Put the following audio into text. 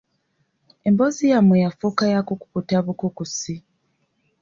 Emboozi yammwe yafuuka ya kukukuta bukukusi.